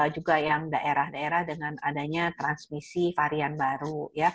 juga yang daerah daerah dengan adanya transmisi varian baru